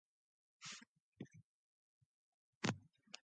It was worked on by Georg Luger and Hugo Borchardt.